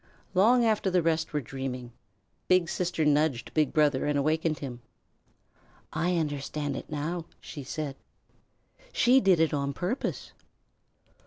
Long after the rest were dreaming, Big Sister nudged Big Brother and awakened him. "I understand it now," she said. "She did it on purpose."